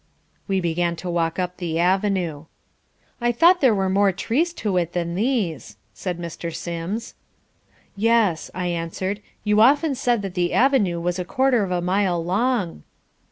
We began to walk up the avenue. "I thought there were more trees to it than these," said Mr. Sims. "Yes," I answered. "You often said that the avenue was a quarter of a mile long."